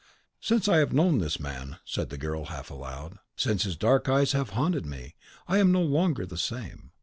"Since I have known this man," said the girl, half aloud, "since his dark eyes have haunted me, I am no longer the same.